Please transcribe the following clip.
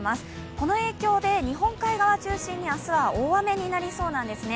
この影響で日本海側中心に明日は大雨になりそうなんですね。